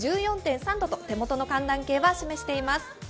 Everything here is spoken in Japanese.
１４．３度と手元の寒暖計は示しています。